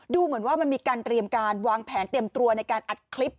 ดูเหมือนว่ามันมีการเตรียมการวางแผนเตรียมตัวในการอัดคลิป